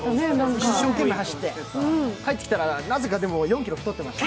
一生懸命走って、帰ってきたらなぜか４ｋｇ太ってました。